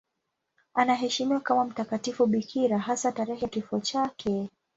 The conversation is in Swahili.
Anaheshimiwa kama mtakatifu bikira, hasa tarehe ya kifo chake.